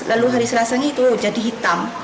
lalu hari selasanya itu jadi hitam